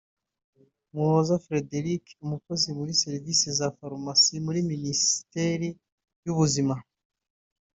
Muhoza Frédéric umukozi muri serivise za farumasi muri Minisiteri y’Ubuzima